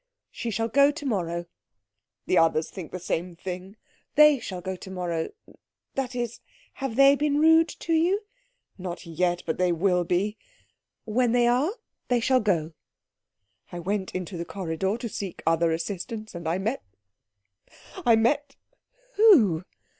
"She shall go to morrow." "The others think the same thing." "They shall go to morrow that is, have they been rude to you?" "Not yet, but they will be." "When they are, they shall go." "I went into the corridor to seek other assistance, and I met I met " "Who?"